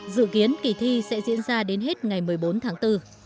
dự kiến kỳ thi sẽ diễn ra đến hết ngày một mươi bốn tháng bốn